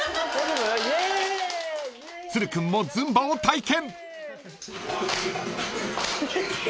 ［都留君もズンバを体験］